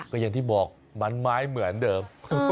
ก็อย่างที่บอกมันไม้เหมือนเดิม